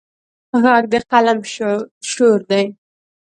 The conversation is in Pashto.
غږ د قلم شور دی